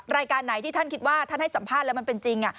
รายการไหนที่ท่านคิดว่าท่านให้สัมภาษณ์แล้วมันเป็นจริง